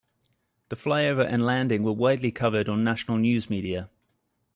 The flyover and landing were widely covered on national news media.